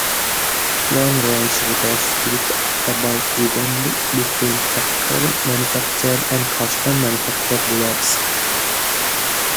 Long-range shooters split about evenly between factory manufactured and custom-manufactured bullets.